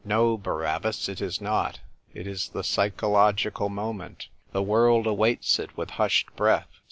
" No, Barabbas, it is not; it is the pyscho logical moment. The world awaits it with hushed breath.